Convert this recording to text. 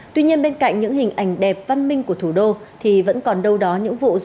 tuy nhiên bên cạnh những hình ảnh đẹp văn minh của thủ đô thì vẫn còn đâu đó những vụ rộ